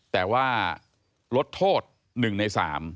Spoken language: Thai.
แต่ว่าลดโทษ๑ใน๓